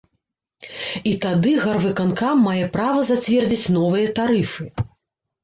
І тады гарвыканкам мае права зацвердзіць новыя тарыфы.